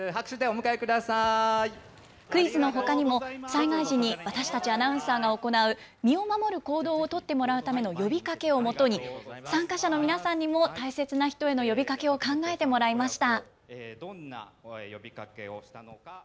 クイズのほかにも災害時に私たち、アナウンサーが行う身を守る行動を取ってもらうための呼びかけをもとに参加者の皆さんにも大切な人への呼びかけを考えてもらいました。